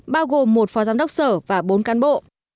bao gồm một phó giám đốc sở và bốn cán bộ